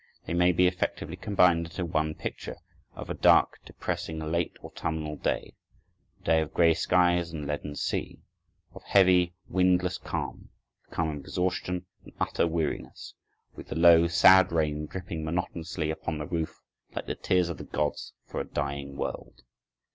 They may be effectively combined into one picture of a dark, depressing, late autumnal day; a day of gray skies and leaden sea; of heavy, windless calm, the calm of exhaustion and utter weariness, with the low, sad rain dripping monotonously upon the roof like the tears of the gods for a dying world.